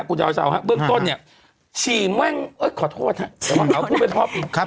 กูจะเอาเบื้องต้นฉี่ม่วงขอโทษนะแต่ว่าเอาที่เป็นพ่อผู้